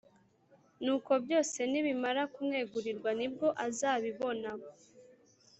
Nuko byose nibamara kumwegurirwa ni bwo azabibona